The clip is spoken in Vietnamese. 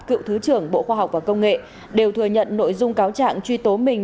cựu thứ trưởng bộ khoa học và công nghệ đều thừa nhận nội dung cáo trạng truy tố mình